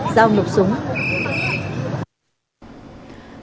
sau lục súng